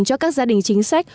cho các gia đình chính sách